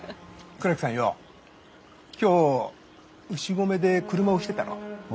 倉木さんよう今日牛込で車押してたろう？